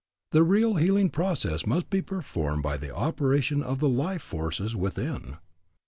The real healing process must be performed by the operation of the life forces within.